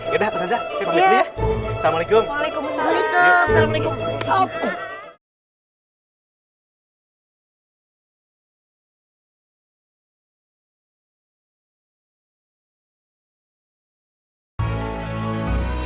ya udah kesana saya ngomong disini ya